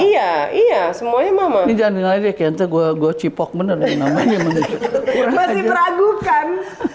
iya iya semuanya mama ini jangan ngeliatnya gue goci pokoknya namanya masih teragukan